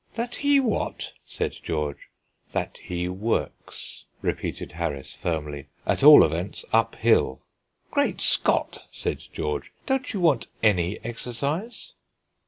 "That he what?" said George. "That he works," repeated Harris, firmly; "at all events, uphill." "Great Scott!" said George; "don't you want any exercise?"